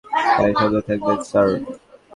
তাই সাবধানে থাকবেন, স্যার।